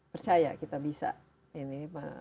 percaya kita bisa ini